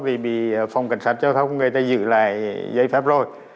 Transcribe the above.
vì bị phòng cảnh sát giao thông người ta giữ lại giấy phép rồi